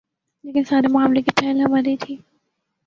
لیکن سارے معاملے کی پہل ہماری تھی۔